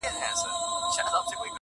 په یوه آواز راووتل له ښاره-